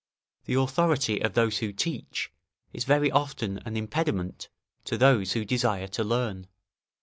["The authority of those who teach, is very often an impediment to those who desire to learn."